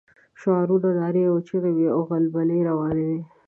شعارونه، نارې او چيغې وې او غلبلې روانې وې.